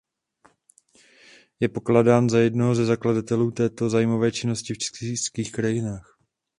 Je pokládán za jednoho ze zakladatelů této zájmové činnosti v českých krajinách.